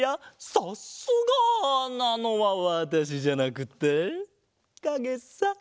「さっすが！」なのはわたしじゃなくってかげさ。